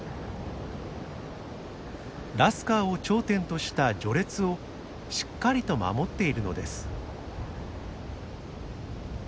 ラスカーを頂点とした序列をしっかりと守っているのです。